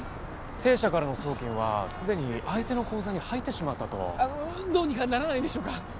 弊社からの送金はすでに相手の口座に入ってしまったとどうにかならないんでしょうか？